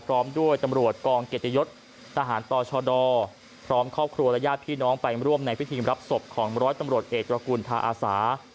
พร้อมด้วยตำรวจกองเกียรติยศทหารต่อชดพร้อมครอบครัวและญาติพี่น้องไปร่วมในพิธีรับศพของร้อยตำรวจเอกตระกูลทาอาสา